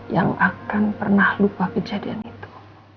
yang akan pernah lupa kejadian itu